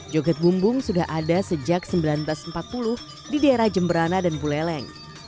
joget bumbung sudah ada sejak seribu sembilan ratus empat puluh di daerah jemberana dan buleleng